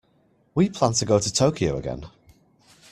We plan to go to Tokyo again.